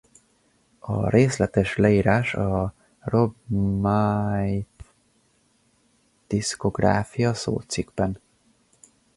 A részletes leírás a Rob Mayth-diszkográfia szócikkben.